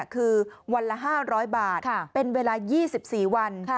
คือวันละ๕๐๐บาทเป็นเวลา๒๔วัน